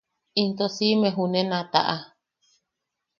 Into si’ime junen a ta’a.